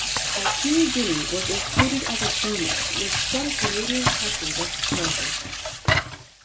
"Aikea-Guinea" was included as a bonus with some Canadian pressings of "Treasure".